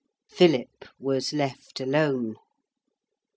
Philip was left alone.